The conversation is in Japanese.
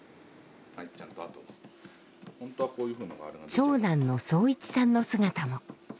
長男の惣一さんの姿も。